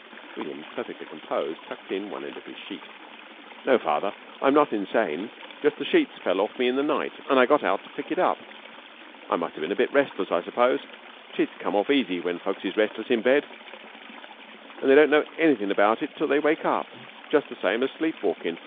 William, perfectly composed, tucked in one end of his sheet. "No Father, I'm not insane. My sheet just fell off me in the night and I got out to pick it up. I must of bin a bit restless, I suppose. Sheets come off easy when folks is restless in bed, and they don't know anythin' about it till they wake up jus' same as sleep walkin'.